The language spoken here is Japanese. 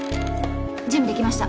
準備できました。